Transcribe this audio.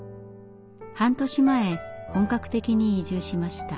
半年前本格的に移住しました。